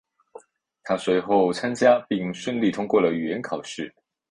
他随后参加并顺利通过了语言考试。